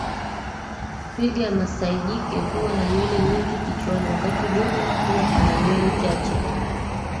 Twiga masai jike huwa na nywele nyingi kichwani wakati dume huwa ana nywele chache